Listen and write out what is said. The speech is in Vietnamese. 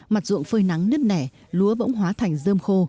mặt ruộng phơi nắng nứt nẻ lúa bỗng hóa thành dơm khô